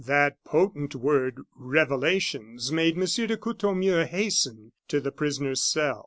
That potent word "revelations" made M. de Courtornieu hasten to the prisoner's cell.